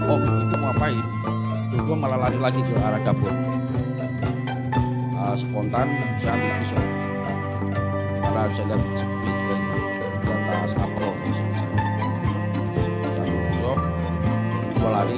oh itu ngapain itu malah lagi ke arah dapur spontan sehari hari